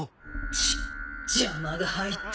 チッ邪魔が入った。